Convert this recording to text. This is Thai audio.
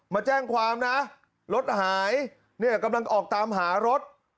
มาแจ้งความนะรถหายเนี่ยกำลังออกตามหารถ